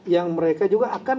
yang mereka juga akan